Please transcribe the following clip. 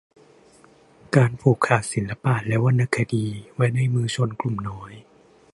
การผูกขาดศิลปะและวรรณคดีไว้ในมือชนกลุ่มน้อย